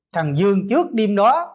thằng dương trước đêm đó